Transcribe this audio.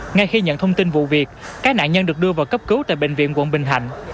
ngay khi nhận thông tin vụ việc các nạn nhân được đưa vào cấp cứu tại bệnh viện quận bình thạnh